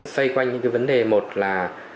xoay quanh những vấn đề một là